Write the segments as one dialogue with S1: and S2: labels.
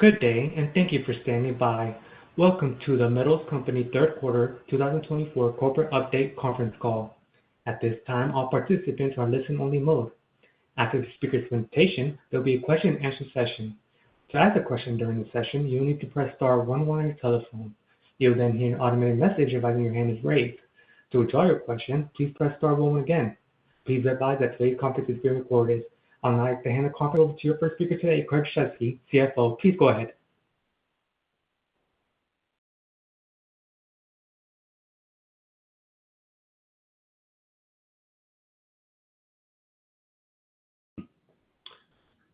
S1: Good day, and thank you for standing by. Welcome to The Metals Company Q3 2024 corporate update conference call. At this time, all participants are in listen-only mode. After the speaker's presentation, there will be a question-and-answer session. To ask a question during the session, you will need to press star one one while on your telephone. You will then hear an automated message inviting you that your hand is raised. To withdraw your question, please press star one one again. Please be advised that today's conference is being recorded. I would like to hand the conference over to your first speaker today, Craig Shesky, CFO. Please go ahead.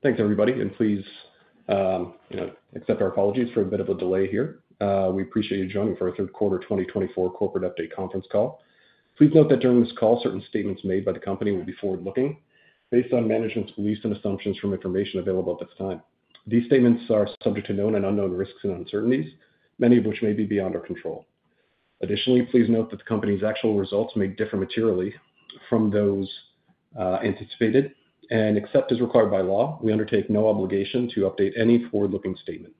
S2: Thanks, everybody. And please accept our apologies for a bit of a delay here. We appreciate you joining for our Q3 2024 corporate update conference call. Please note that during this call, certain statements made by the company will be forward-looking based on management's beliefs and assumptions from information available at this time. These statements are subject to known and unknown risks and uncertainties, many of which may be beyond our control. Additionally, please note that the company's actual results may differ materially from those anticipated. And except as required by law, we undertake no obligation to update any forward-looking statement.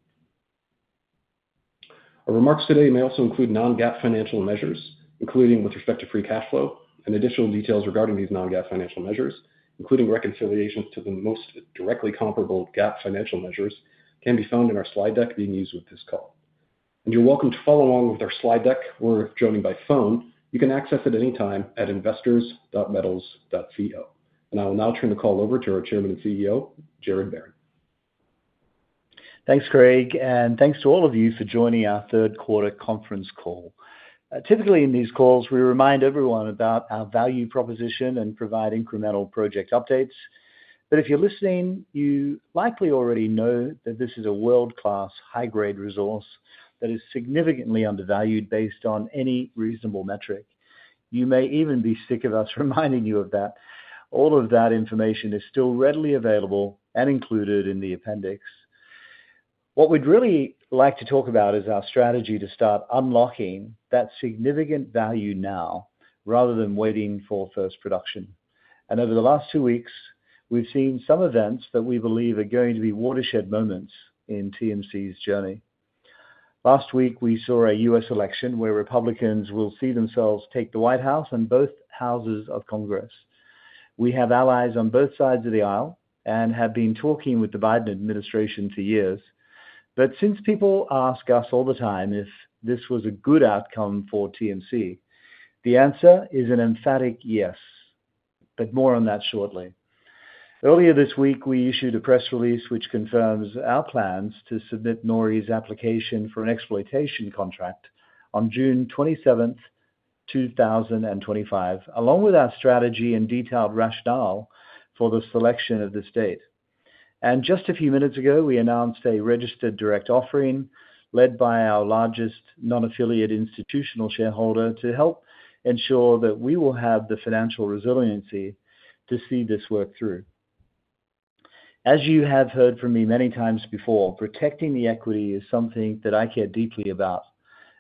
S2: Our remarks today may also include non-GAAP financial measures, including with respect to free cash flow. And additional details regarding these non-GAAP financial measures, including reconciliations to the most directly comparable GAAP financial measures, can be found in our slide deck being used with this call. You're welcome to follow along with our slide deck. Or if joining by phone, you can access it anytime at investors.metals.co. I will now turn the call over to our Chairman and CEO, Gerard Barron.
S3: Thanks, Craig. And thanks to all of you for joining our Q3 conference call. Typically, in these calls, we remind everyone about our value proposition and provide incremental project updates. But if you're listening, you likely already know that this is a world-class, high-grade resource that is significantly undervalued based on any reasonable metric. You may even be sick of us reminding you of that. All of that information is still readily available and included in the appendix. What we'd really like to talk about is our strategy to start unlocking that significant value now rather than waiting for first production. And over the last two weeks, we've seen some events that we believe are going to be watershed moments in TMC's journey. Last week, we saw a U.S. election where Republicans will see themselves take the White House and both houses of congress. We have allies on both sides of the aisle and have been talking with the Biden administration for years. But since people ask us all the time if this was a good outcome for TMC, the answer is an emphatic yes, but more on that shortly. Earlier this week, we issued a press release which confirms our plans to submit NORI's application for an exploitation contract on June 27th, 2025, along with our strategy and detailed rationale for the selection of the state, and just a few minutes ago, we announced a registered direct offering led by our largest non-affiliated institutional shareholder to help ensure that we will have the financial resiliency to see this work through. As you have heard from me many times before, protecting the equity is something that I care deeply about.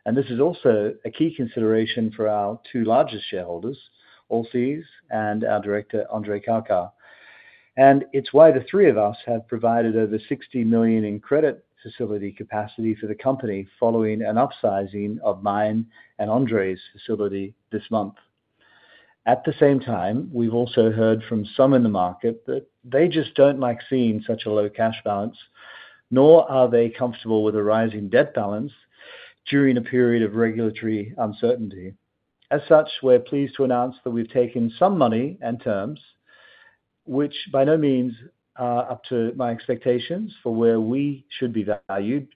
S3: And this is also a key consideration for our two largest shareholders, Allseas and our director, Andrei Karkar. And it's why the three of us have provided over $60 million in credit facility capacity for the company following an upsizing of my and Andrei's facility this month. At the same time, we've also heard from some in the market that they just don't like seeing such a low cash balance, nor are they comfortable with a rising debt balance during a period of regulatory uncertainty. As such, we're pleased to announce that we've taken some money and terms, which by no means are up to my expectations for where we should be valued,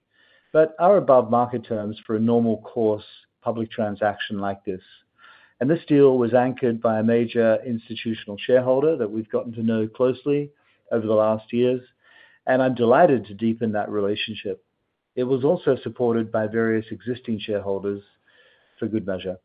S3: but are above market terms for a normal course public transaction like this. And this deal was anchored by a major institutional shareholder that we've gotten to know closely over the last years. And I'm delighted to deepen that relationship. It was also supported by various existing shareholders for good measure.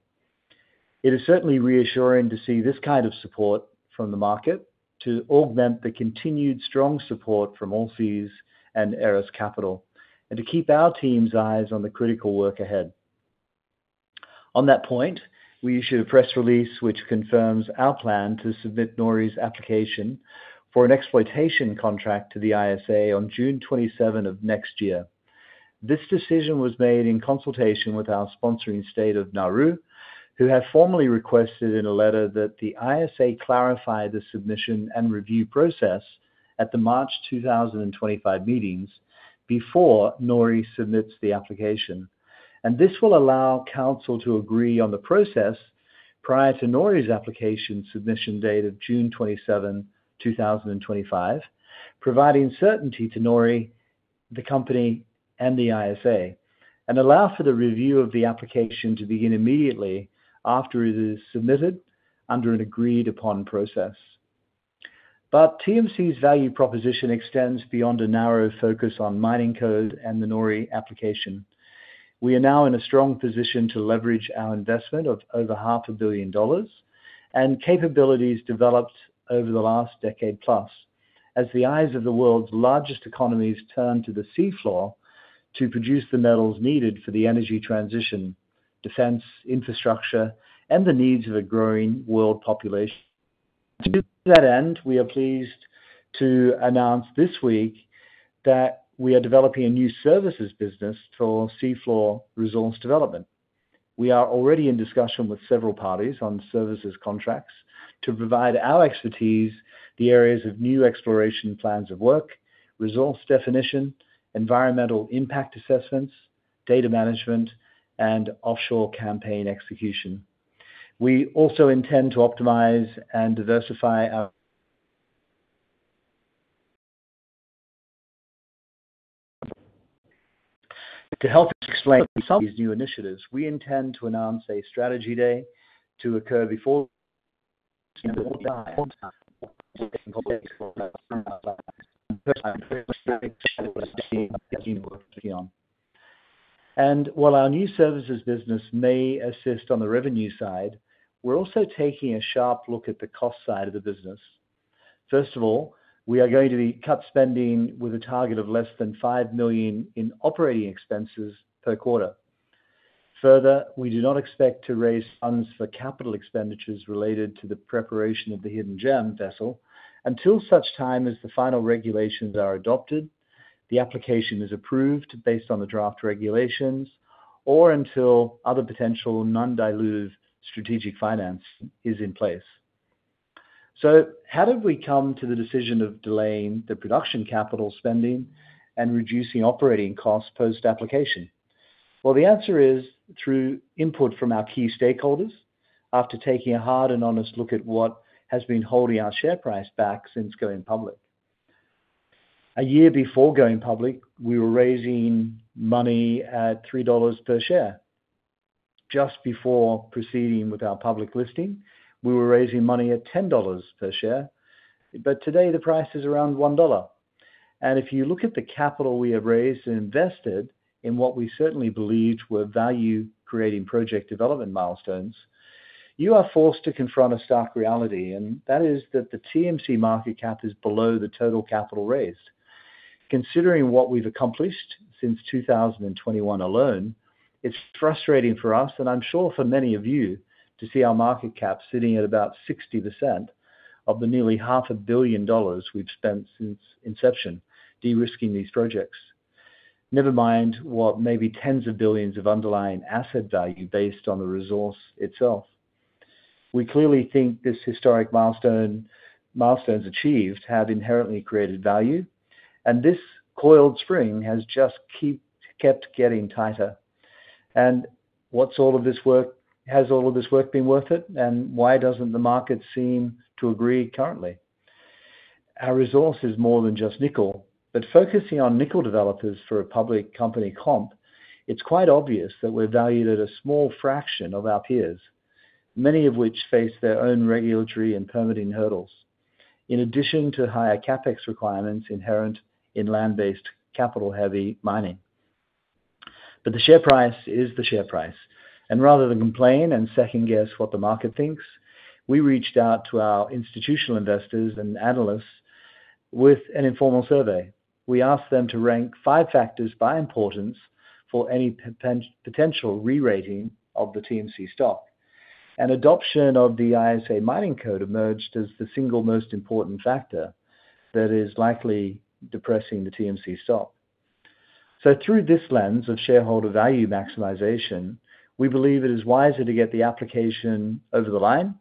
S3: It is certainly reassuring to see this kind of support from the market to augment the continued strong support from Allseas and Eras Capital and to keep our team's eyes on the critical work ahead. On that point, we issued a press release which confirms our plan to submit NORI's application for an exploitation contract to the ISA on June 27 of next year. This decision was made in consultation with our sponsoring state of Nauru, who have formally requested in a letter that the ISA clarify the submission and review process at the March 2025 meetings before NORI submits the application. This will allow council to agree on the process prior to NORI's application submission date of June 27, 2025, providing certainty to NORI, the company, and the ISA, and allow for the review of the application to begin immediately after it is submitted under an agreed-upon process. TMC's value proposition extends beyond a narrow focus on mining code and the NORI application. We are now in a strong position to leverage our investment of over $500 million and capabilities developed over the last decade plus as the eyes of the world's largest economies turn to the seafloor to produce the metals needed for the energy transition, defense, infrastructure, and the needs of a growing world population. To that end, we are pleased to announce this week that we are developing a new services business for seafloor resource development. We are already in discussion with several parties on services contracts to provide our expertise in the areas of new exploration plans of work, resource definition, environmental impact assessments, data management, and offshore campaign execution. We also intend to optimize and diversify our to help explain some of these new initiatives. We intend to announce a strategy day to occur before the end of the year. While our new services business may assist on the revenue side, we're also taking a sharp look at the cost side of the business. First of all, we are going to cut spending with a target of less than $5 million in operating expenses per quarter. Further, we do not expect to raise funds for capital expenditures related to the preparation of the Hidden Gem vessel until such time as the final regulations are adopted, the application is approved based on the draft regulations, or until other potential non-dilutive strategic finance is in place. So how did we come to the decision of delaying the production capital spending and reducing operating costs post-application? Well, the answer is through input from our key stakeholders after taking a hard and honest look at what has been holding our share price back since going public. A year before going public, we were raising money at $3 per share. Just before proceeding with our public listing, we were raising money at $10 per share. But today, the price is around $1. If you look at the capital we have raised and invested in what we certainly believed were value-creating project development milestones, you are forced to confront a stark reality. And that is that the TMC market cap is below the total capital raised. Considering what we've accomplished since 2021 alone, it's frustrating for us, and I'm sure for many of you, to see our market cap sitting at about 60% of the nearly $500 million we've spent since inception de-risking these projects. Never mind what may be tens of billions of underlying asset value based on the resource itself. We clearly think this historic milestones achieved have inherently created value. And this coiled spring has just kept getting tighter. And what's all of this work been worth it? And why doesn't the market seem to agree currently? Our resource is more than just nickel. But focusing on nickel developers for a public company comp, it's quite obvious that we're valued at a small fraction of our peers, many of which face their own regulatory and permitting hurdles, in addition to higher CapEx requirements inherent in land-based capital-heavy mining. But the share price is the share price. And rather than complain and second-guess what the market thinks, we reached out to our institutional investors and analysts with an informal survey. We asked them to rank five factors by importance for any potential re-rating of the TMC stock. And adoption of the ISA mining code emerged as the single most important factor that is likely depressing the TMC stock. So through this lens of shareholder value maximization, we believe it is wiser to get the application over the line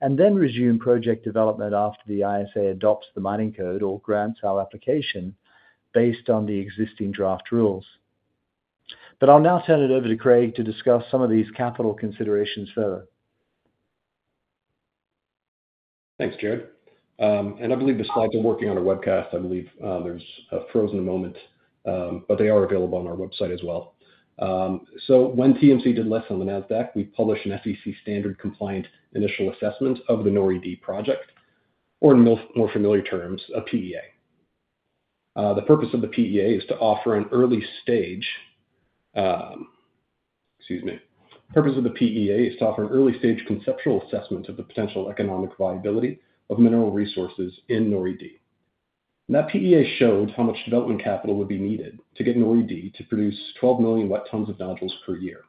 S3: and then resume project development after the ISA adopts the mining code or grants our application based on the existing draft rules. But I'll now turn it over to Craig to discuss some of these capital considerations further.
S2: Thanks, Gerard. And I believe besides working on a webcast, I believe there's a presentation, but they are available on our website as well. When TMC listed on the Nasdaq, we published an SEC standard-compliant initial assessment of the NORI project, or in more familiar terms, a PEA. The purpose of the PEA is to offer an early stage conceptual assessment of the potential economic viability of mineral resources in NORI. And that PEA showed how much development capital would be needed to get NORI to produce 12 million wet tons of nodules per year.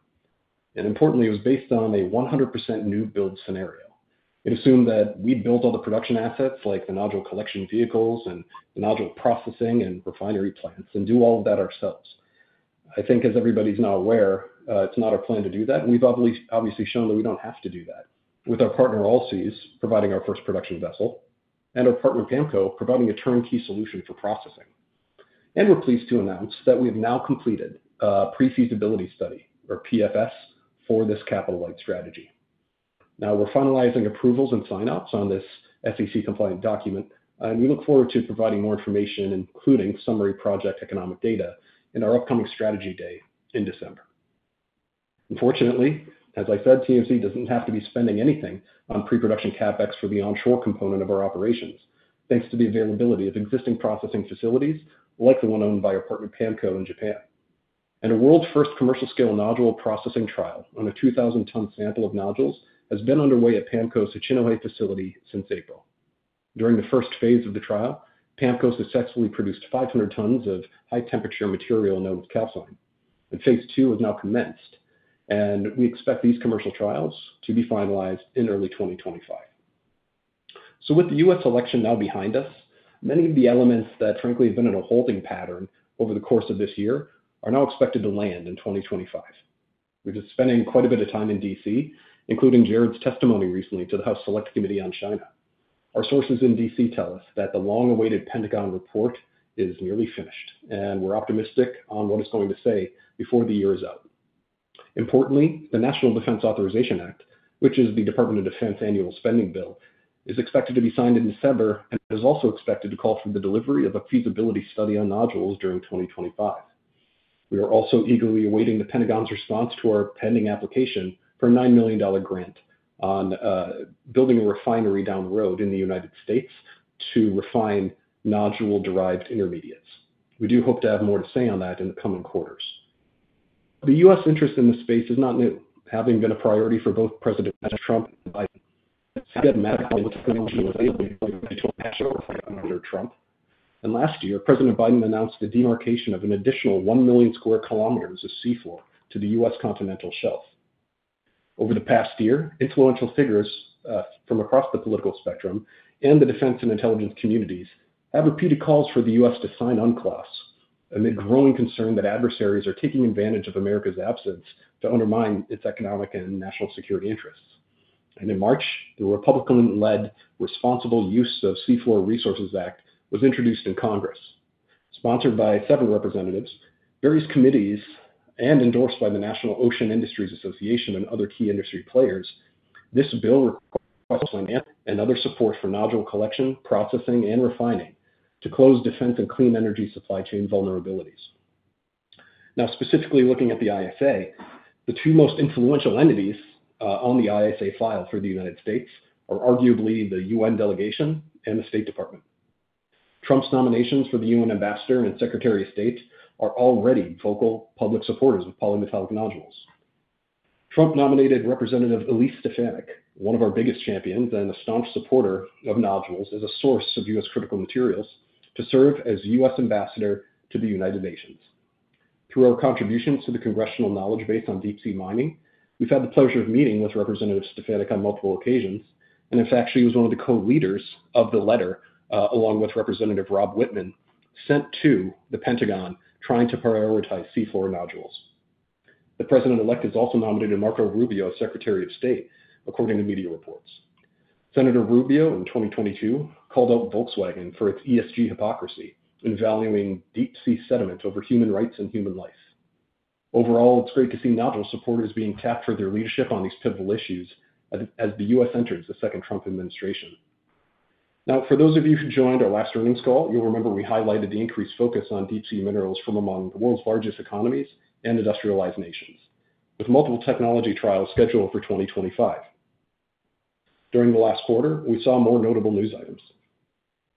S2: And importantly, it was based on a 100% new build scenario. It assumed that we'd build all the production assets like the nodule collection vehicles and the nodule processing and refinery plants and do all of that ourselves. I think as everybody's now aware, it's not our plan to do that. And we've obviously shown that we don't have to do that with our partner Allseas providing our first production vessel and our partner PAMCO providing a turnkey solution for processing. And we're pleased to announce that we have now completed a pre-feasibility study, or PFS, for this capital-light strategy. Now we're finalizing approvals and sign-ups on this SEC-compliant document. And we look forward to providing more information, including summary project economic data in our upcoming strategy day in December. Unfortunately, as I said, TMC doesn't have to be spending anything on pre-production CapEx for the onshore component of our operations, thanks to the availability of existing processing facilities like the one owned by our partner PAMCO in Japan. A world's first commercial-scale nodule processing trial on a 2,000-ton sample of nodules has been underway at PAMCO's Hachinohe facility since April. During the first phase of the trial, PAMCO successfully produced 500 tons of high-temperature material known as calcine. Phase two has now commenced. We expect these commercial trials to be finalized in early 2025. With the U.S. election now behind us, many of the elements that, frankly, have been in a holding pattern over the course of this year are now expected to land in 2025. We've been spending quite a bit of time in D.C., including Gerard's testimony recently to the House Select Committee on China. Our sources in D.C. tell us that the long-awaited Pentagon report is nearly finished, and we're optimistic on what it's going to say before the year is out. Importantly, the National Defense Authorization Act, which is the Department of Defense annual spending bill, is expected to be signed in December and is also expected to call for the delivery of a feasibility study on nodules during 2025. We are also eagerly awaiting the Pentagon's response to our pending application for a $9 million grant on building a refinery down the road in the United States to refine nodule-derived intermediates. We do hope to have more to say on that in the coming quarters. The U.S. interest in this space is not new, having been a priority for both Presidents Trump and Biden. It's getting more influential as they look to a national plan under Trump, and last year, President Biden announced the demarcation of an additional one million square kilometers of seafloor to the U.S. continental shelf. Over the past year, influential figures from across the political spectrum and the defense and intelligence communities have repeated calls for the U.S. to sign UNCLOS, amid growing concern that adversaries are taking advantage of America's absence to undermine its economic and national security interests, and in March, the Republican-led Responsible Use of Seafloor Resources Act was introduced in Congress. Sponsored by several representatives, various committees, and endorsed by the National Ocean Industries Association and other key industry players, this bill requires and other support for nodule collection, processing, and refining to close defense and clean energy supply chain vulnerabilities. Now, specifically looking at the ISA, the two most influential entities on the ISA side for the United States are arguably the UN delegation and the State Department. Trump's nominations for the UN Ambassador and Secretary of State are already vocal public supporters of polymetallic nodules. Trump nominated Representative Elise Stefanik, one of our biggest champions and a staunch supporter of nodules, is a source of U.S. critical materials to serve as U.S. Ambassador to the United Nations. Through our contributions to the congressional knowledge base on deep-sea mining, we've had the pleasure of meeting with Representative Stefanik on multiple occasions. In fact, she was one of the co-leaders of the letter along with Representative Rob Wittman sent to the Pentagon trying to prioritize seafloor nodules. The president-elect has also nominated Marco Rubio as Secretary of State, according to media reports. Senator Rubio, in 2022, called out Volkswagen for its ESG hypocrisy in valuing deep-sea sediment over human rights and human life. Overall, it's great to see nodule supporters being tapped for their leadership on these pivotal issues as the U.S. enters the second Trump administration. Now, for those of you who joined our last earnings call, you'll remember we highlighted the increased focus on deep-sea minerals from among the world's largest economies and industrialized nations, with multiple technology trials scheduled for 2025. During the last quarter, we saw more notable news items.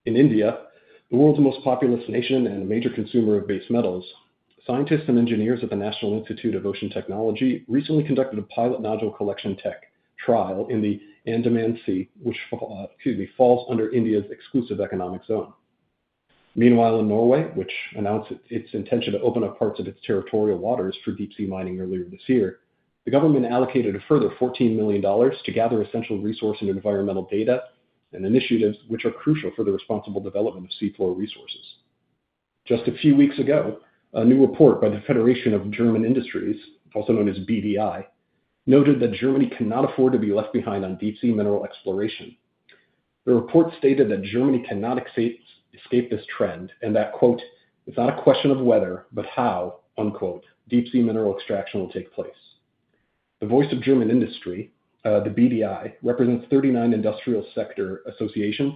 S2: In India, the world's most populous nation and a major consumer of base metals, scientists and engineers at the National Institute of Ocean Technology recently conducted a pilot nodule collection tech trial in the Andaman Sea, which falls under India's exclusive economic zone. Meanwhile, in Norway, which announced its intention to open up parts of its territorial waters for deep-sea mining earlier this year, the government allocated a further $14 million to gather essential resource and environmental data and initiatives which are crucial for the responsible development of seafloor resources. Just a few weeks ago, a new report by the Federation of German Industries, also known as BDI, noted that Germany cannot afford to be left behind on deep-sea mineral exploration. The report stated that Germany cannot escape this trend and that, quote, "It's not a question of whether, but how," unquote, deep-sea mineral extraction will take place. The voice of German industry, the BDI, represents 39 industrial sector associations,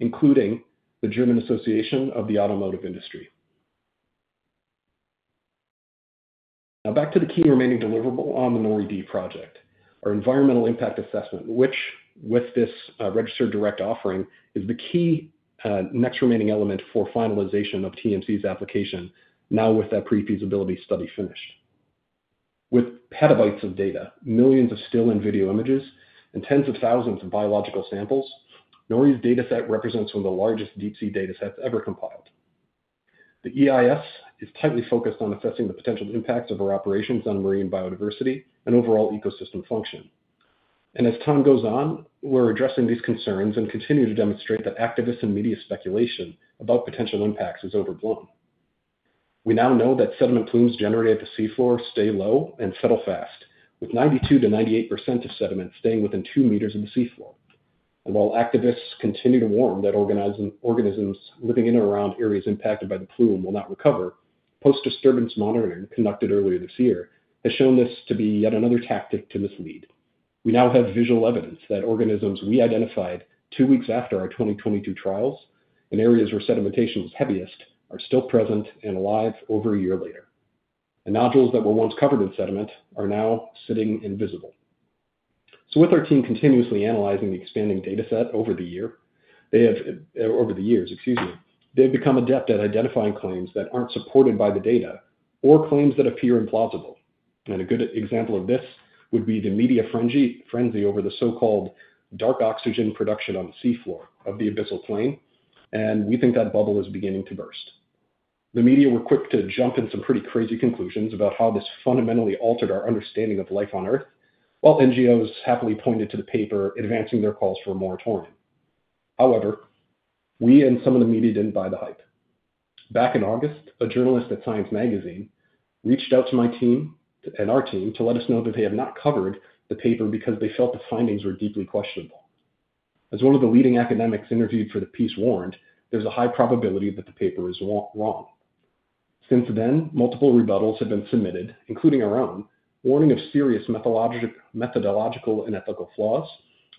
S2: including the German Association of the Automotive Industry. Now, back to the key remaining deliverable on the NORI-D Project, our environmental impact assessment, which, with this registered direct offering, is the key next remaining element for finalization of TMC's application, now with that pre-feasibility study finished. With petabytes of data, millions of still and video images, and tens of thousands of biological samples, NORI's dataset represents one of the largest deep-sea datasets ever compiled. The EIS is tightly focused on assessing the potential impacts of our operations on marine biodiversity and overall ecosystem function, and as time goes on, we're addressing these concerns and continue to demonstrate that activists and media speculation about potential impacts is overblown. We now know that sediment plumes generated at the seafloor stay low and settle fast, with 92%-98% of sediment staying within 2 meters of the seafloor, and while activists continue to warn that organisms living in and around areas impacted by the plume will not recover, post-disturbance monitoring conducted earlier this year has shown this to be yet another tactic to mislead. We now have visual evidence that organisms we identified two weeks after our 2022 trials in areas where sedimentation was heaviest are still present and alive over a year later, and nodules that were once covered in sediment are now sitting visible. With our team continuously analyzing the expanding dataset over the year, they have over the years, excuse me, they've become adept at identifying claims that aren't supported by the data or claims that appear implausible. A good example of this would be the media frenzy over the so-called dark oxygen production on the seafloor of the Abyssal Plain. We think that bubble is beginning to burst. The media were quick to jump to some pretty crazy conclusions about how this fundamentally altered our understanding of life on earth, while NGOs happily pointed to the paper advancing their calls for more moratorium. However, we and some of the media didn't buy the hype. Back in August, a journalist at Time Magazine reached out to my team and our team to let us know that they have not covered the paper because they felt the findings were deeply questionable. As one of the leading academics interviewed for the piece warned, there's a high probability that the paper is wrong. Since then, multiple rebuttals have been submitted, including our own, warning of serious methodological and ethical flaws,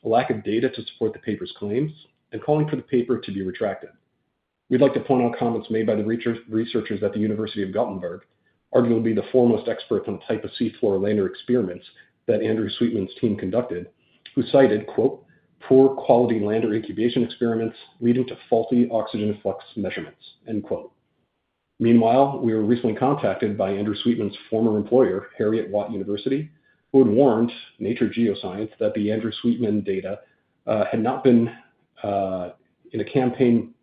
S2: a lack of data to support the paper's claims, and calling for the paper to be retracted. We'd like to point out comments made by the researchers at the University of Gothenburg, arguably the foremost experts on the type of seafloor lander experiments that Andrew Sweetman's team conducted, who cited, quote, "Poor quality lander incubation experiments leading to faulty oxygen flux measurements," end quote. Meanwhile, we were recently contacted by Andrew Sweetman's former employer, Heriot-Watt University, who had warned Nature Geoscience that the Andrew Sweetman data had not been in a campaign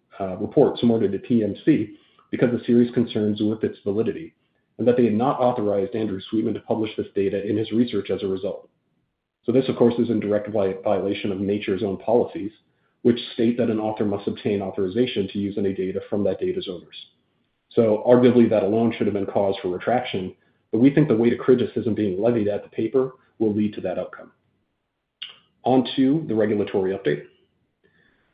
S2: report submitted to TMC because of serious concerns with its validity, and that they had not authorized Andrew Sweetman to publish this data in his research as a result. So this, of course, is in direct violation of nature's own policies, which state that an author must obtain authorization to use any data from that data's owners. So arguably that alone should have been cause for retraction, but we think the weight of criticism being levied at the paper will lead to that outcome. On to the regulatory update.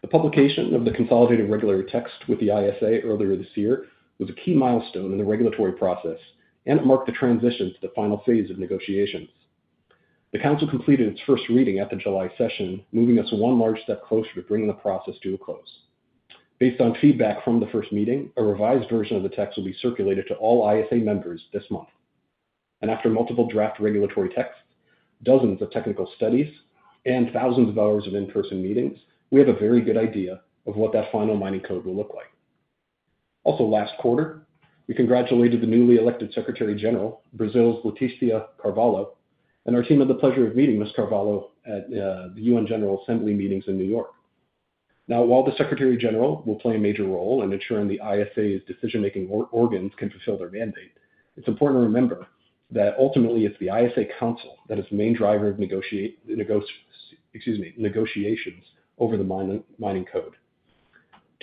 S2: The publication of the consolidated regulatory text with the ISA earlier this year was a key milestone in the regulatory process and marked the transition to the final phase of negotiations. The council completed its first reading at the July session, moving us one large step closer to bringing the process to a close. Based on feedback from the first meeting, a revised version of the text will be circulated to all ISA members this month. And after multiple draft regulatory texts, dozens of technical studies, and thousands of hours of in-person meetings, we have a very good idea of what that final mining code will look like. Also, last quarter, we congratulated the newly elected Secretary-General, Brazil's Letícia Carvalho, and our team had the pleasure of meeting Ms. Carvalho at the UN General Assembly meetings in New York. Now, while the Secretary-General will play a major role in ensuring the ISA's decision-making organs can fulfill their mandate, it's important to remember that ultimately it's the ISA Council that is the main driver of negotiations over the mining code.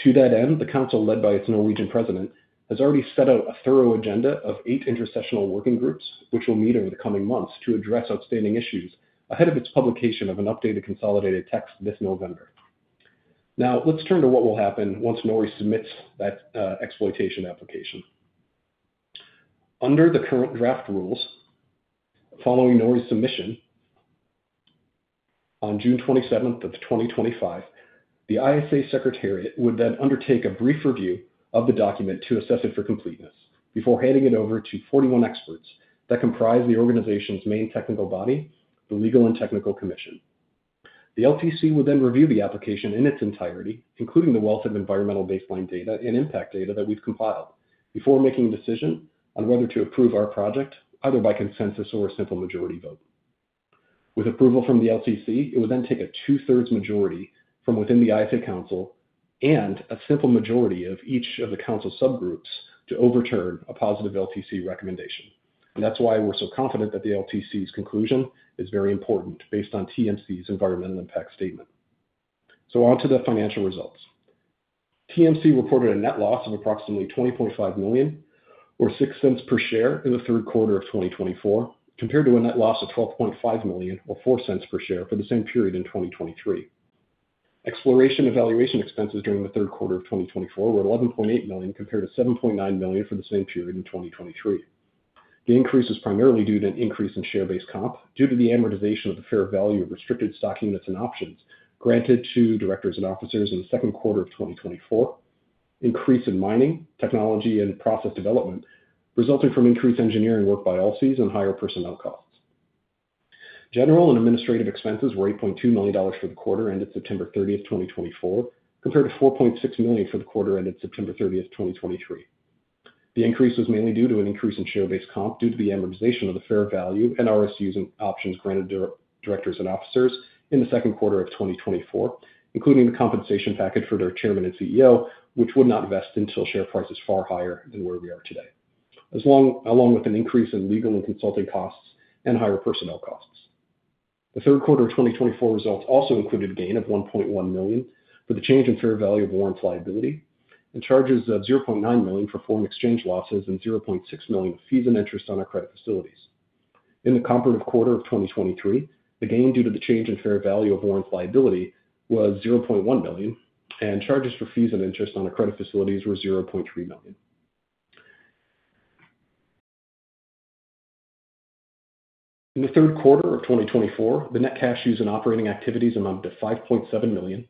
S2: To that end, the council led by its Norwegian president has already set out a thorough agenda of eight intersessional working groups, which will meet over the coming months to address outstanding issues ahead of its publication of an updated consolidated text this November. Now, let's turn to what will happen once NORI submits that exploitation application. Under the current draft rules, following NORI's submission on June 27th of 2025, the ISA secretariat would then undertake a brief review of the document to assess it for completeness before handing it over to 41 experts that comprise the organization's main technical body, the Legal and Technical Commission. The LTC would then review the application in its entirety, including the wealth of environmental baseline data and impact data that we've compiled, before making a decision on whether to approve our project, either by consensus or a simple majority vote. With approval from the LTC, it would then take a two-thirds majority from within the ISA council and a simple majority of each of the council subgroups to overturn a positive LTC recommendation, and that's why we're so confident that the LTC's conclusion is very important based on TMC's environmental impact statement, so on to the financial results. TMC reported a net loss of approximately $20.5 million, or $0.06 per share in the Q3 of 2024, compared to a net loss of $12.5 million, or $0.04 per share for the same period in 2023. Exploration evaluation expenses during the Q3 of 2024 were $11.8 million, compared to $7.9 million for the same period in 2023. The increase is primarily due to an increase in share-based comp due to the amortization of the fair value of restricted stock units and options granted to directors and officers in the Q2 of 2024, increase in mining, technology, and process development resulting from increased engineering work by Allseas and higher personnel costs. General and administrative expenses were $8.2 million for the quarter ended September 30th, 2024, compared to $4.6 million for the quarter ended September 30th, 2023. The increase was mainly due to an increase in share-based comp due to the amortization of the fair value and RSUs and options granted to directors and officers in the Q2 of 2024, including the compensation package for their Chairman and CEO, which would not vest until share prices far higher than where we are today, along with an increase in legal and consulting costs and higher personnel costs. The Q3 of 2024 results also included a gain of $1.1 million for the change in fair value of warrant liability and charges of $0.9 million for foreign exchange losses and $0.6 million for fees and interest on our credit facilities. In the comparative quarter of 2023, the gain due to the change in fair value of warrant liability was $0.1 million, and charges for fees and interest on our credit facilities were $0.3 million. In the Q3 of 2024, the net cash used in operating activities amounted to $5.7 million,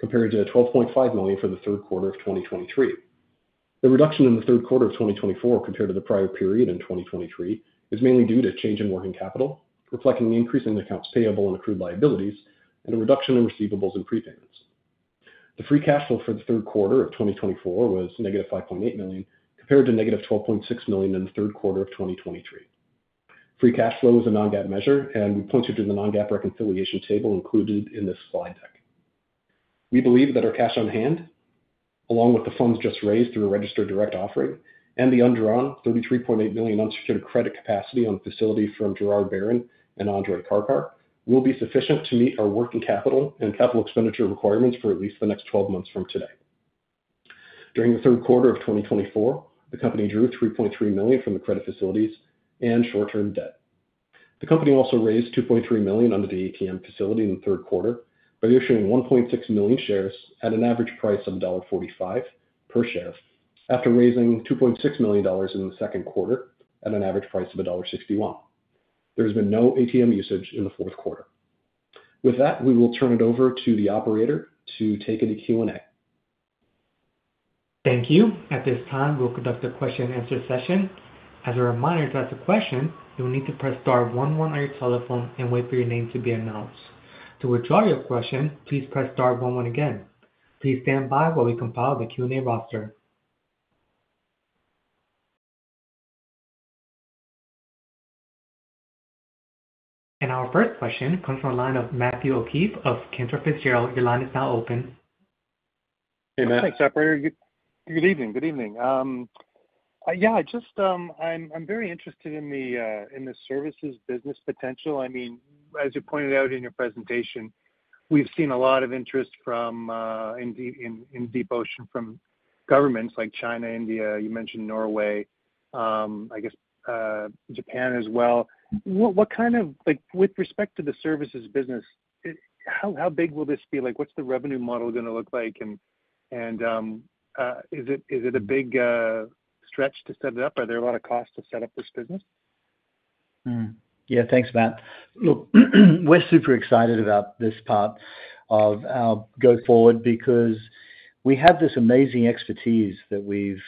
S2: compared to $12.5 million for the Q3 of 2023. The reduction in the Q3 of 2024 compared to the prior period in 2023 is mainly due to a change in working capital, reflecting the increase in accounts payable and accrued liabilities, and a reduction in receivables and prepayments. The free cash flow for the Q3 of 2024 was negative $5.8 million, compared to negative $12.6 million in the Q3 of 2023. Free cash flow is a non-GAAP measure, and we pointed to the non-GAAP reconciliation table included in this slide deck. We believe that our cash on hand, along with the funds just raised through a registered direct offering and the undrawn $33.8 million unsecured credit capacity on the facility from Gerard Barron and Andrei Karkar, will be sufficient to meet our working capital and capital expenditure requirements for at least the next 12 months from today. During the Q3 of 2024, the company drew $3.3 million from the credit facilities and short-term debt. The company also raised $2.3 million under the ATM facility in the Q3 by issuing 1.6 million shares at an average price of $1.45 per share, after raising $2.6 million in the Q2 at an average price of $1.61. There has been no ATM usage in the Q4. With that, we will turn it over to the operator to take any Q&A.
S1: Thank you. At this time, we'll conduct a question-and-answer session. As a reminder, to ask a question, you'll need to press star one one on your telephone and wait for your name to be announced. To withdraw your question, please press star one one again. Please stand by while we compile the Q&A roster, and our first question comes from a line of Matthew O'Keefe of Cantor Fitzgerald. Your line is now open.
S2: Hey, Matthew.
S4: Thanks, operator. Good evening. Good evening. Yeah, I'm very interested in the services business potential. I mean, as you pointed out in your presentation, we've seen a lot of interest in deep ocean from governments like China, India, you mentioned Norway, I guess Japan as well. With respect to the services business, how big will this be? What's the revenue model going to look like? And is it a big stretch to set it up? Are there a lot of costs to set up this business?
S3: Yeah, thanks, Matt. Look, we're super excited about this part of our go-forward because we have this amazing expertise that we've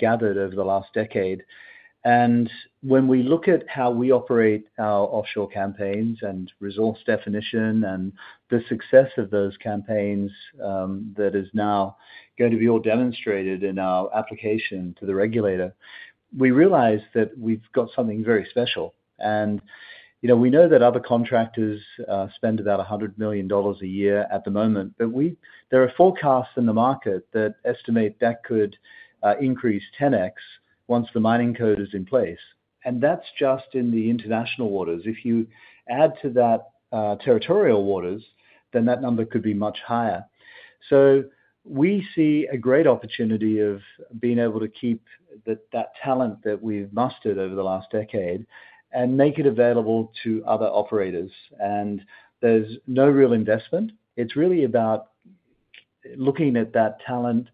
S3: gathered over the last decade, and when we look at how we operate our offshore campaigns and resource definition and the success of those campaigns that is now going to be all demonstrated in our application to the regulator, we realize that we've got something very special. And we know that other contractors spend about $100 million a year at the moment, but there are forecasts in the market that estimate that could increase 10x once the mining code is in place. And that's just in the international waters. If you add to that territorial waters, then that number could be much higher. So we see a great opportunity of being able to keep that talent that we've mustered over the last decade and make it available to other operators. And there's no real investment. It's really about looking at that talent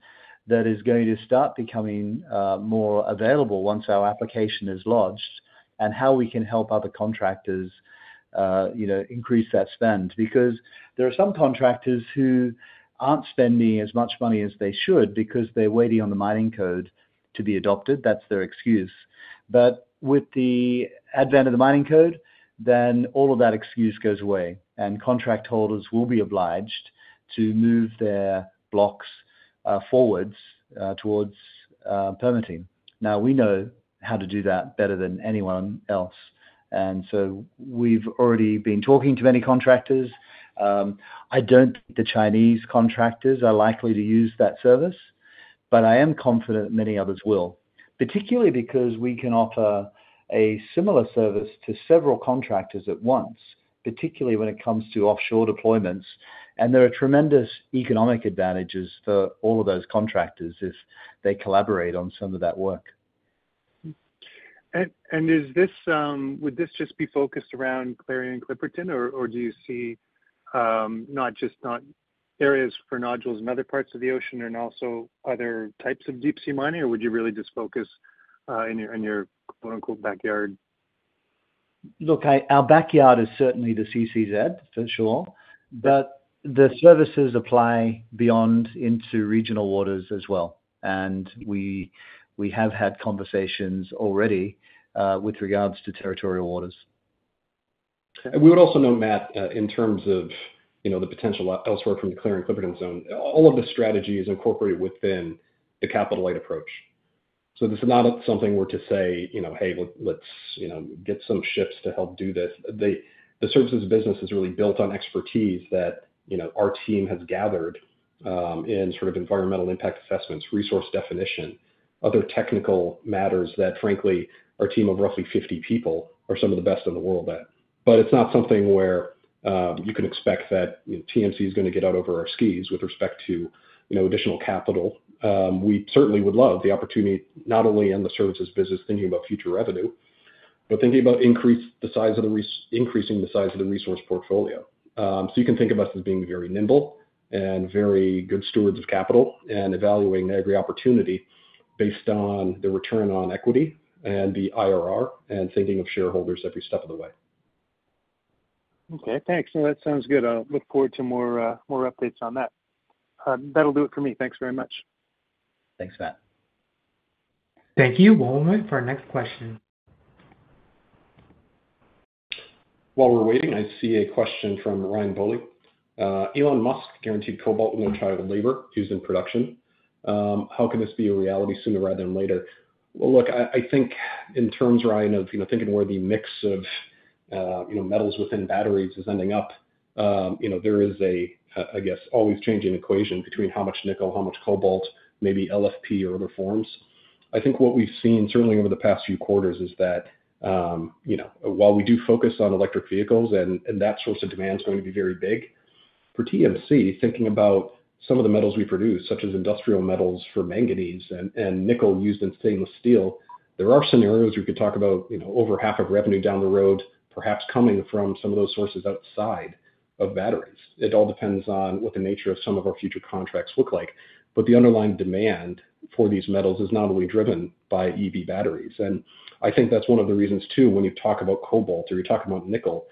S3: that is going to start becoming more available once our application is lodged and how we can help other contractors increase that spend. Because there are some contractors who aren't spending as much money as they should because they're waiting on the mining code to be adopted. That's their excuse. But with the advent of the mining code, then all of that excuse goes away, and contract holders will be obliged to move their blocks forwards towards permitting. Now, we know how to do that better than anyone else. And so we've already been talking to many contractors. I don't think the Chinese contractors are likely to use that service, but I am confident many others will, particularly because we can offer a similar service to several contractors at once, particularly when it comes to offshore deployments. And there are tremendous economic advantages for all of those contractors if they collaborate on some of that work.
S4: And would this just be focused around Clarion-Clipperton, or do you see not just areas for nodules in other parts of the ocean and also other types of deep-sea mining, or would you really just focus in your "backyard"?
S3: Look, our backyard is certainly the CCZ, for sure, but the services apply beyond into regional waters as well. And we have had conversations already with regards to territorial waters. And we would also note, Matt, in terms of the potential elsewhere from the Clarion-Clipperton Zone, all of the strategy is incorporated within the capital-light approach. So this is not something where to say, "Hey, let's get some ships to help do this." The services business is really built on expertise that our team has gathered in sort of environmental impact assessments, resource definition, other technical matters that, frankly, our team of roughly 50 people are some of the best in the world at. But it's not something where you can expect that TMC is going to get out over our skis with respect to additional capital. We certainly would love the opportunity, not only in the services business, thinking about future revenue, but thinking about increasing the size of the resource portfolio, so you can think of us as being very nimble and very good stewards of capital and evaluating every opportunity based on the return on equity and the IRR and thinking of shareholders every step of the way.
S4: Okay, thanks. That sounds good. I'll look forward to more updates on that. That'll do it for me. Thanks very much.
S3: Thanks, Matt.
S1: Thank you. We'll move on to our next question.
S3: While we're waiting, I see a question from Ryan Bohalla. Elon Musk guaranteed cobalt in their child labor. He's in production. How can this be a reality sooner rather than later? Look, I think in terms, Ryan, of thinking where the mix of metals within batteries is ending up, there is a, I guess, always changing equation between how much nickel, how much cobalt, maybe LFP or other forms. I think what we've seen, certainly over the past few quarters, is that while we do focus on electric vehicles and that source of demand is going to be very big, for TMC, thinking about some of the metals we produce, such as industrial metals for manganese and nickel used in stainless steel, there are scenarios we could talk about over half of revenue down the road, perhaps coming from some of those sources outside of batteries. It all depends on what the nature of some of our future contracts look like. But the underlying demand for these metals is not only driven by EV batteries. I think that's one of the reasons, too, when you talk about cobalt or you talk about nickel.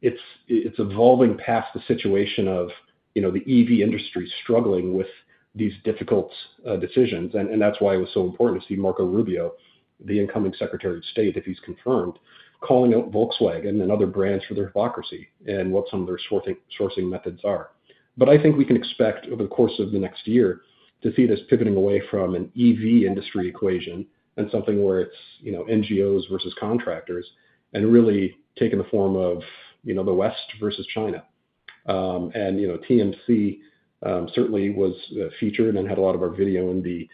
S3: It's evolving past the situation of the EV industry struggling with these difficult decisions. That's why it was so important to see Marco Rubio, the incoming secretary of state, if he's confirmed, calling out Volkswagen and other brands for their hypocrisy and what some of their sourcing methods are. I think we can expect over the course of the next year to see this pivoting away from an EV industry equation and something where it's NGOs versus contractors and really taking the form of the West versus China. TMC certainly was featured and had a lot of our video in the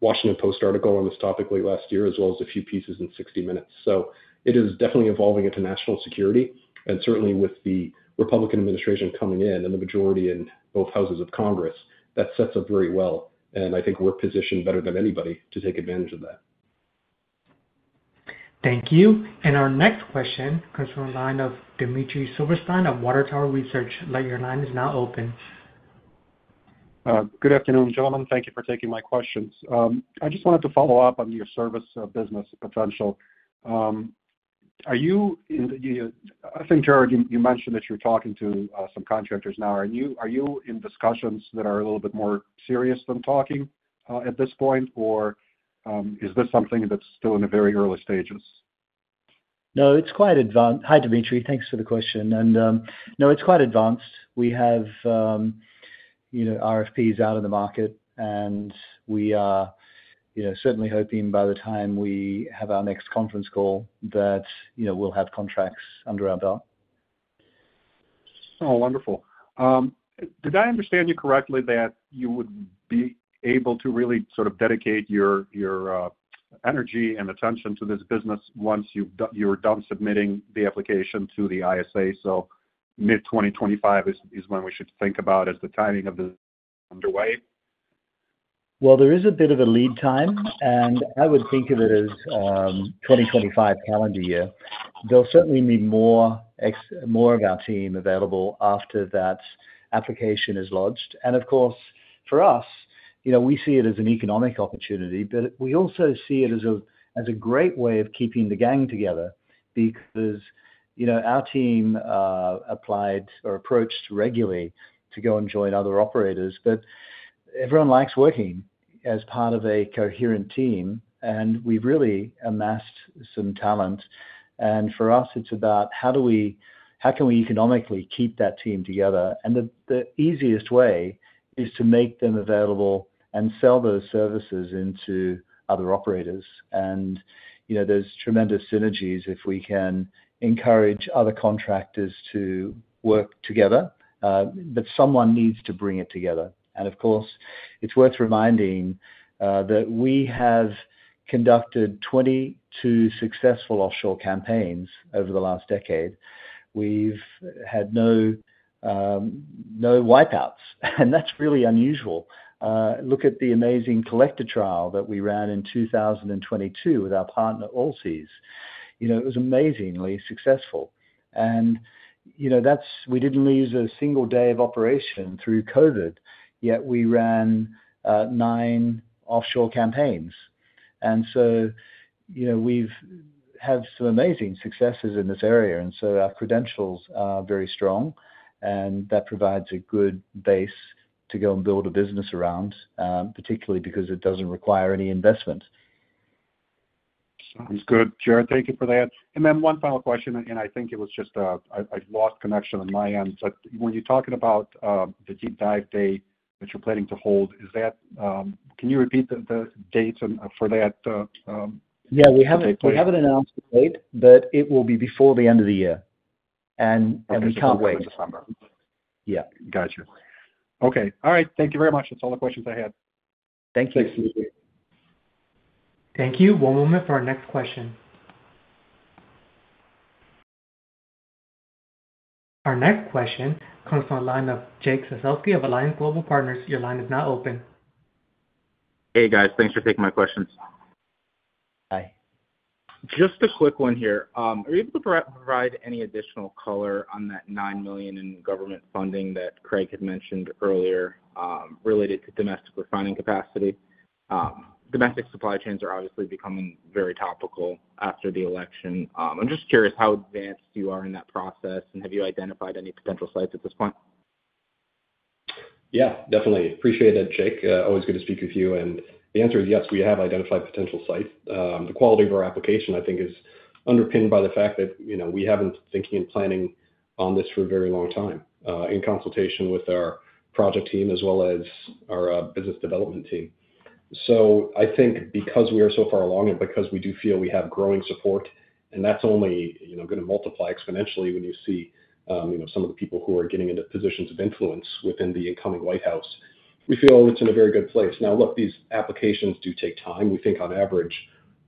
S3: Washington Post article on this topic late last year, as well as a few pieces in 60 Minutes. It is definitely evolving into national security. And certainly with the Republican administration coming in and the majority in both houses of Congress, that sets up very well. And I think we're positioned better than anybody to take advantage of that. Thank you. And our next question comes from a line of Dmitry Silverstein of Water Tower Research. Your line is now open.
S5: Good afternoon, gentlemen. Thank you for taking my questions. I just wanted to follow up on your service business potential. I think, Gerard, you mentioned that you're talking to some contractors now. Are you in discussions that are a little bit more serious than talking at this point, or is this something that's still in the very early stages?
S1: No, it's quite advanced. Hi, Dmitry. Thanks for the question. And no, it's quite advanced. We have RFPs out in the market, and we are certainly hoping by the time we have our next conference call that we'll have contracts under our belt.
S5: Oh, wonderful. Did I understand you correctly that you would be able to really sort of dedicate your energy and attention to this business once you're done submitting the application to the ISA? So mid-2025 is when we should think about as the timing of this underway?
S3: Well, there is a bit of a lead time, and I would think of it as a 2025 calendar year. There'll certainly be more of our team available after that application is lodged. And of course, for us, we see it as an economic opportunity, but we also see it as a great way of keeping the gang together because our team applied or approached regularly to go and join other operators. Everyone likes working as part of a coherent team, and we've really amassed some talent. For us, it's about how can we economically keep that team together? The easiest way is to make them available and sell those services into other operators. There's tremendous synergies if we can encourage other contractors to work together, but someone needs to bring it together. Of course, it's worth reminding that we have conducted 22 successful offshore campaigns over the last decade. We've had no wipeouts, and that's really unusual. Look at the amazing collector trial that we ran in 2022 with our partner, Allseas. It was amazingly successful. We didn't lose a single day of operation through COVID, yet we ran nine offshore campaigns. We have some amazing successes in this area. And so our credentials are very strong, and that provides a good base to go and build a business around, particularly because it doesn't require any investment.
S5: Sounds good. Gerard, thank you for that. And then one final question, and I think it was just I lost connection on my end. But when you're talking about the deep dive day that you're planning to hold, can you repeat the date for that?
S3: Yeah, we haven't announced the date, but it will be before the end of the year. And we can't wait.
S5: Yeah, gotcha.
S3: Okay.
S5: All right. Thank you very much. That's all the questions I had.
S3: Thank you.
S1: Thank you. One moment for our next question. Our next question comes from a line of Jake Sekelsky of Alliance Global Partners. Your line is now open.
S6: Hey, guys. Thanks for taking my questions.
S3: Hi.
S6: Just a quick one here. Are you able to provide any additional color on that $9 million in government funding that Craig had mentioned earlier related to domestic refining capacity? Domestic supply chains are obviously becoming very topical after the election. I'm just curious how advanced you are in that process, and have you identified any potential sites at this point?
S2: Yeah, definitely. Appreciate that, Jake. Always good to speak with you. And the answer is yes, we have identified potential sites. The quality of our application, I think, is underpinned by the fact that we haven't been thinking and planning on this for a very long time in consultation with our project team as well as our business development team. So I think because we are so far along and because we do feel we have growing support, and that's only going to multiply exponentially when you see some of the people who are getting into positions of influence within the incoming White House, we feel it's in a very good place. Now, look, these applications do take time. We think on average,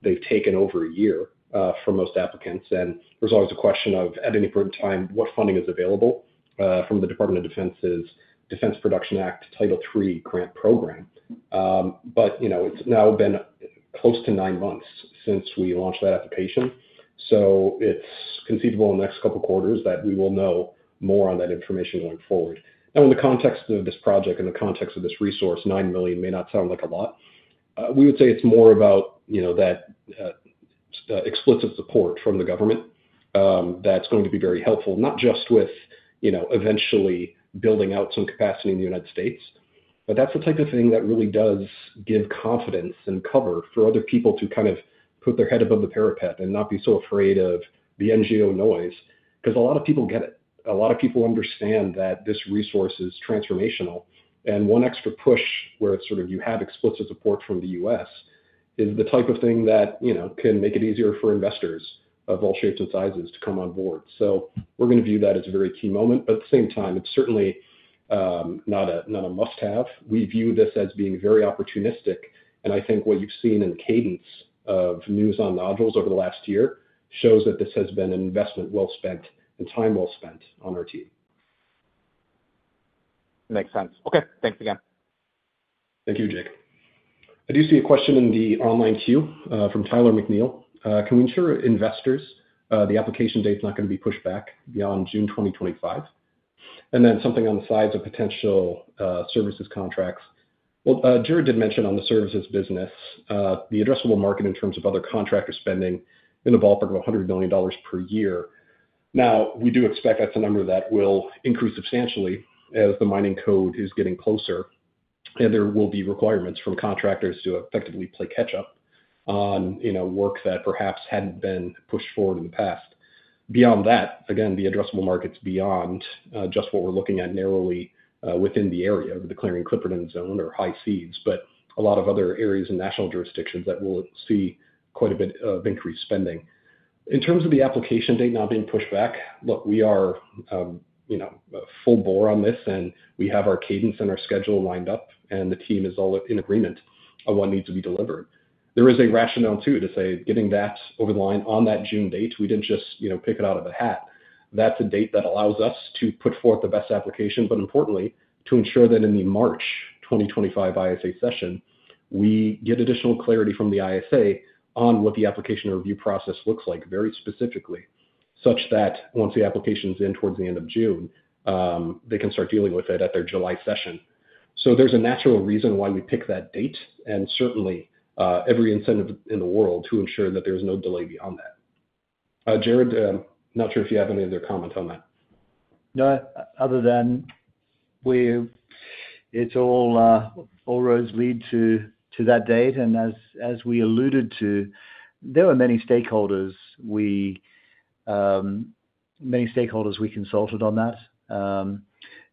S2: they've taken over a year for most applicants, and there's always a question of, at any point in time, what funding is available from the Department of Defense's Defense Production Act Title III grant program, but it's now been close to nine months since we launched that application, so it's conceivable in the next couple of quarters that we will know more on that information going forward. Now, in the context of this project, in the context of this resource, $9 million may not sound like a lot. We would say it's more about that explicit support from the government that's going to be very helpful, not just with eventually building out some capacity in the United States, but that's the type of thing that really does give confidence and cover for other people to kind of put their head above the parapet and not be so afraid of the NGO noise. Because a lot of people get it. A lot of people understand that this resource is transformational, and one extra push where it's sort of you have explicit support from the U.S. is the type of thing that can make it easier for investors of all shapes and sizes to come on board, so we're going to view that as a very key moment. But at the same time, it's certainly not a must-have. We view this as being very opportunistic. And I think what you've seen in the cadence of news on nodules over the last year shows that this has been an investment well spent and time well spent on our team.
S6: Makes sense. Okay. Thanks again.
S3: Thank you, Jake.
S2: I do see a question in the online queue from Tyler McNeil. Can we ensure investors the application date's not going to be pushed back beyond June 2025? And then something on the sides of potential services contracts. Well, Gerard did mention on the services business, the addressable market in terms of other contractors spending in the ballpark of $100 million per year. Now, we do expect that's a number that will increase substantially as the mining code is getting closer, and there will be requirements from contractors to effectively play catch-up on work that perhaps hadn't been pushed forward in the past. Beyond that, again, the addressable market's beyond just what we're looking at narrowly within the area of the Clarion-Clipperton Zone or High Seas, but a lot of other areas in national jurisdictions that will see quite a bit of increased spending. In terms of the application date not being pushed back, look, we are full bore on this, and we have our cadence and our schedule lined up, and the team is all in agreement on what needs to be delivered. There is a rationale too to say getting that over the line on that June date, we didn't just pick it out of the hat. That's a date that allows us to put forth the best application, but importantly, to ensure that in the March 2025 ISA session, we get additional clarity from the ISA on what the application review process looks like very specifically, such that once the application's in towards the end of June, they can start dealing with it at their July session. So there's a natural reason why we pick that date, and certainly every incentive in the world to ensure that there's no delay beyond that. Gerard, not sure if you have any other comment on that.
S3: No, other than it's all roads lead to that date. And as we alluded to, there were many stakeholders we consulted on that.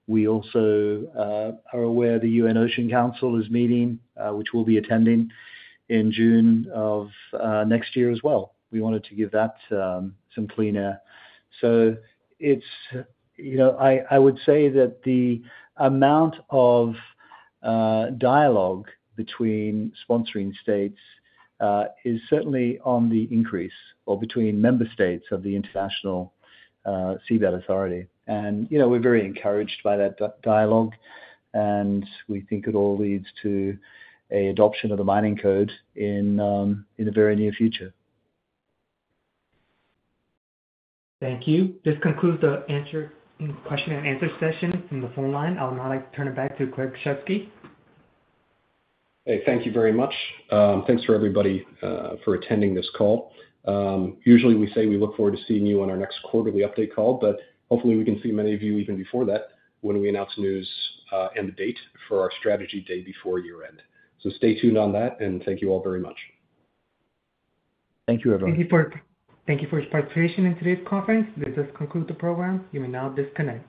S3: We also are aware the UN Ocean Council is meeting, which we'll be attending in June of next year as well. We wanted to give that some clean air. So I would say that the amount of dialogue between sponsoring states is certainly on the increase or between member states of the International Seabed Authority. And we're very encouraged by that dialogue, and we think it all leads to an adoption of the mining code in the very near future.
S1: Thank you. This concludes the question and answer session from the phone line. I'll now turn it back to Craig Shesky.
S2: Hey, thank you very much. Thanks for everybody for attending this call. Usually, we say we look forward to seeing you on our next quarterly update call, but hopefully, we can see many of you even before that when we announce news and the date for our strategy day before year-end. So stay tuned on that, and thank you all very much.
S3: Thank you, everyone.
S1: Thank you for your participation in today's conference. This does conclude the program. You may now disconnect.